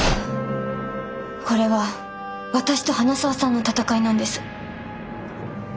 これは私と花澤さんの戦いなんです。